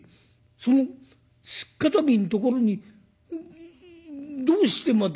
その素っ堅気んところにどうしてまた」。